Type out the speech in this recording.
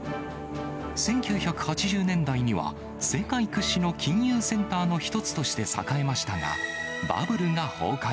１９８０年代には、世界屈指の金融センターの一つとして栄えましたが、バブルが崩壊。